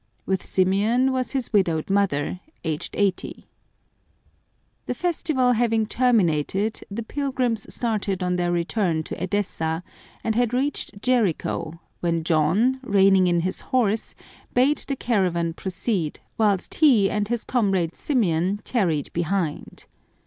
With Symeon was his widowed mother, aged eighty. The festival having terminated, the pilgrims started on their return to Edessa, and had reached Jericho, when John, reining in his horse, bade the caravan proceed, whilst he and his comrade Symeon tarried behind.